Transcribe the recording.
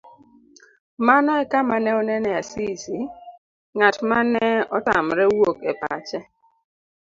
Mano ekama ne onene Asisi, ng'at mane otamre wuok e pache.